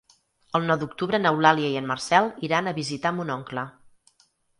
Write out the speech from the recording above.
El nou d'octubre n'Eulàlia i en Marcel iran a visitar mon oncle.